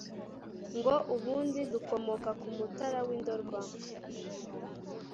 ngo ubundi dukomoka mu Mutara w’i Ndorwa